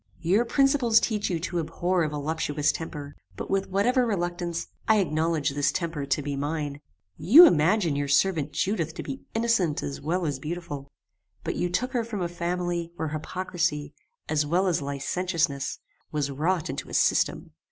Your principles teach you to abhor a voluptuous temper; but, with whatever reluctance, I acknowledge this temper to be mine. You imagine your servant Judith to be innocent as well as beautiful; but you took her from a family where hypocrisy, as well as licentiousness, was wrought into a system.